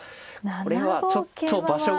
これはちょっと場所が。